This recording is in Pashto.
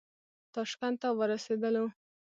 تاشکند ته ورسېدلو.